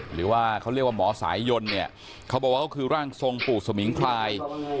หรือว่าเขาเรียกว่าหมอสายยนต์เนี่ยเขาบอกว่าเขาคือร่างทรงปู่สมิงคลาย